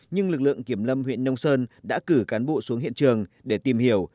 nhưng lực lượng kiểm lâm huyện nông sơn đã cử cán bộ xuống hiện trường để tìm hiểu